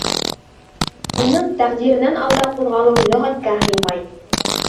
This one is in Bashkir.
Уның тәҡдиренән алда ҡуҙғалыу лөғәткә һыймай.